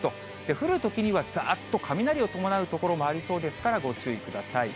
降るときにはざーっと雷を伴う所もありそうですから、ご注意ください。